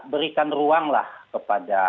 berikan ruang lah kepada